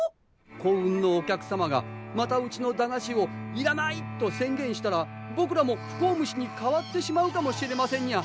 幸運のお客様がまたうちの駄菓子を「いらない！」と宣言したらぼくらも不幸虫に変わってしまうかもしれませんニャ。